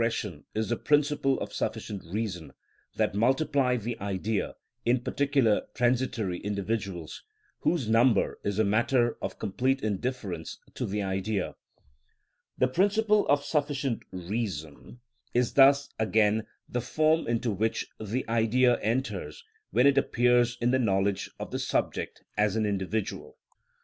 It is the forms which are subordinate to this (whose general expression is the principle of sufficient reason) that multiply the Idea in particular transitory individuals, whose number is a matter of complete indifference to the Idea. The principle of sufficient reason is thus again the form into which the Idea enters when it appears in the knowledge of the subject as individual.